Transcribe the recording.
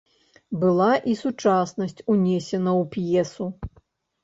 Была і сучаснасць унесена ў п'есу.